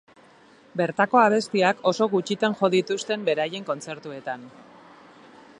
Bertako abestiak oso gutxitan jo dituzten beraien kontzertuetan.